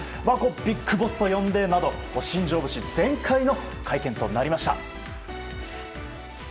ビッグボスと呼んでなど新庄節全開の会見となりました。